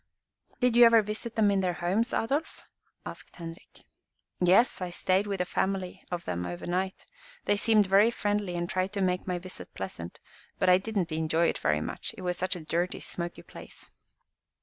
"Did you ever visit them in their homes, Adolf?" asked Henrik. "Yes, I stayed with a family of them over night. They seemed very friendly and tried to make my visit pleasant, but I didn't enjoy it very much, it was such a dirty, smoky place.